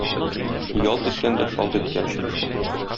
Ялт иткән дә шалт иткән.